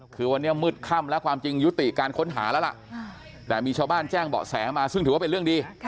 คือวันนี้มืดค่ำแล้วความจริงยุติการค้นหาแล้วล่ะแต่มีชาวบ้านแจ้งเบาะแสมาซึ่งถือว่าเป็นเรื่องดี